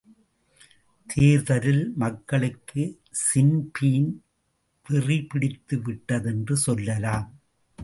தேர்தலில் மக்களுக்கு ஸின்பீன் வெறி பிடித்துவிட்டதென்றே சொல்லலாம்.